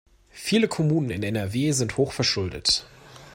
Viele Kommunen in NRW sind hochverschuldet.